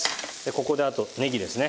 ここであとねぎですね。